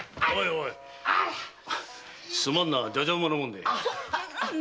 すまんなじゃじゃ馬なもんで。